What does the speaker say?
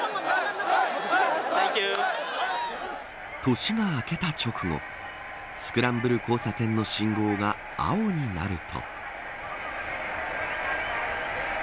年が明けた直後スクランブル交差点の信号が青になると。